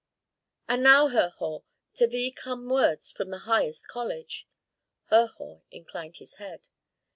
"And now, Herhor, to thee come words from the highest college." Herhor inclined his head.